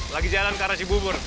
lagi jalan ke arah cibubur